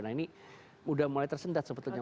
nah ini sudah mulai tersendat sebetulnya